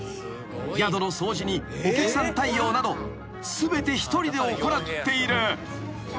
［宿の掃除にお客さん対応など全て一人で行っている］